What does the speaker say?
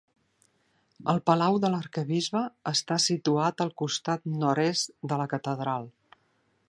El Palau de l'Arquebisbe està situat al costat nord-est de la catedral.